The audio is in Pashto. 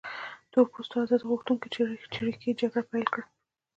تور پوستو ازادي غوښتونکو چریکي جګړه پیل کړه.